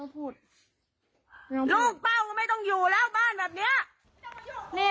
พูดลูกเป้าก็ไม่ต้องอยู่แล้วบ้านแบบเนี้ยนี่